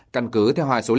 căn cứ theo hoài số liệu